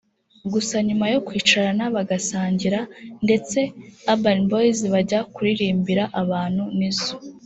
gusa nyuma yo kwicarana bagasangira ndetse Urban Boyz bajya kuririmbira abantu Nizzo